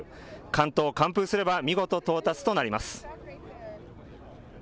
完投、完封すれば、見事、到達となります。